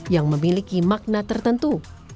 yang memiliki makna tertentu